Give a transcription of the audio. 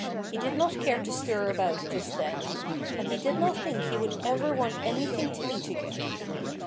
He did not care to stir about just then. And he did not think he would ever want anything to eat again.